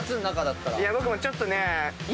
僕もちょっとね。